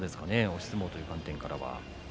押し相撲という観点から。